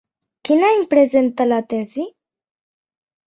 Quin any presentà la tesi?